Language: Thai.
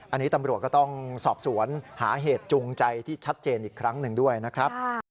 อันนี้ตำรวจก็ต้องสอบสวนหาเหตุจูงใจที่ชัดเจนอีกครั้งหนึ่งด้วยนะครับ